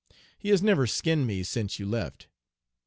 He has never 'skinned' me since you left.